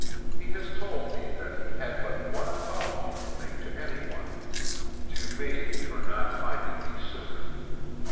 He has told me that he had but one apology to make to any one, to me, for not finding me sooner.